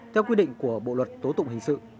theo quy định của bộ luật tố tụng hình sự